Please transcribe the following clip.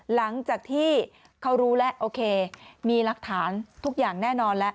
หลังจากที่เขารู้แล้วโอเคมีหลักฐานทุกอย่างแน่นอนแล้ว